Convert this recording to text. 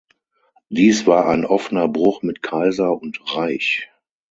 Dies war ein offener Bruch mit Kaiser und Reich.